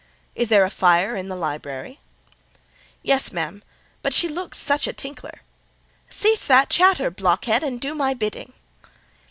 Is there a fire in the library?" "Yes, ma'am—but she looks such a tinkler." "Cease that chatter, blockhead! and do my bidding."